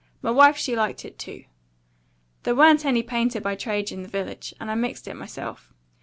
M'wife she liked it too. There wa'n't any painter by trade in the village, and I mixed it myself.